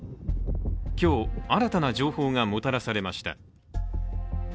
今日、新たな情報がもたらされました。